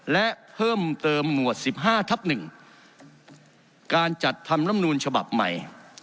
และเพิ่มเติมหมวด๑๕ทับ๑การจัดทำลำนูลฉบับใหม่